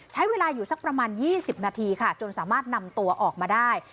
ใช้เวลาอยู่สักประมาณ๒๐นาทีค่ะจนสามารถนำตัวออกมาได้